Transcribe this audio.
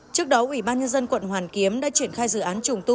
trước đó ủy ban nhân dân quận hoàn kiếm đã triển khai dự án trùng tu